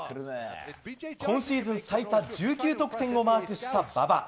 今シーズン最多１９得点をマークした馬場。